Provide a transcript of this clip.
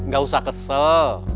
gak usah kesel